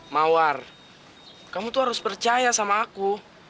mawar kamu tuh harus percaya sama aku